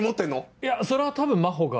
いやそれは多分真帆が。